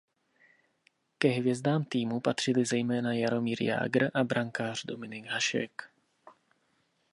Ke hvězdám týmu patřili zejména Jaromír Jágr a brankář Dominik Hašek.